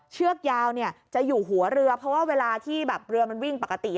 เชือกยาวเนี่ยจะอยู่หัวเรือเพราะว่าเวลาที่แบบเรือมันวิ่งปกติ